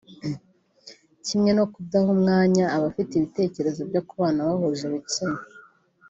kimwe no kudaha umwanya abafite ibitekerezo byo kubana bahuje ibitsina